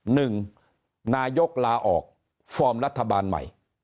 หนึ่งนายกลาออกฟอร์มรัฐบาลใหม่